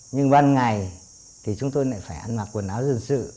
nhưng ban ngày thì chúng tôi lại phải ăn mặc quần áo dân sự